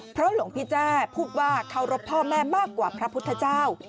เพราะหลวงพี่แจ้พูดว่าเคารพพ่อแม่มากกว่าพระพุทธเจ้า